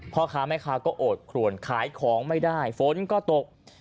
พ่อค้าแม่ค้าก็โอดครวนขายของไม่ได้ฝนก็ตก